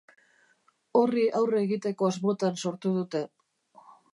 Horri aurre egiteko asmotan sortu dute.